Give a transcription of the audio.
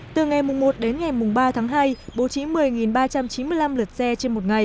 từ ngày một đến ngày ba tháng hai bố trí một mươi ba trăm chín mươi năm lượt xe trên một ngày